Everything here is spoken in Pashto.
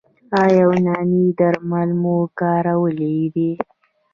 ایا یوناني درمل مو کارولي دي؟